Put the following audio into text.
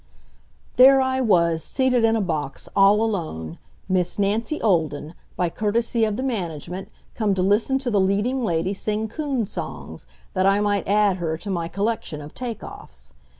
There I was seated in a box all alone Miss Nancy Olden, by courtesy of the management, come to listen to the leading lady sing coon songs, that I might add her to my collection of take offs.